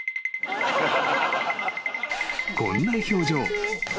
［こんな表情］